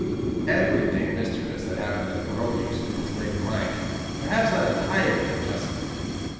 Everything mischievous that happened at the parochial school was laid to my account, perhaps not entirely unjustly.